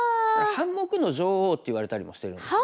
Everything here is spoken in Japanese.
「半目の女王」って言われたりもしてるんですね。